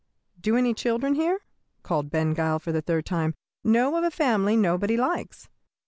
"Do any children here," called Ben Gile, for the third time, "know of a family nobody likes?